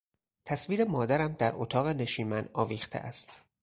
تصویر مادرم در اتاق نشیمن آویخته است.